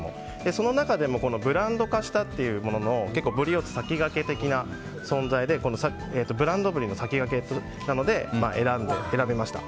その中でもブランド化したものの先駆け的な存在でブランドブリの先駆けなので選びました。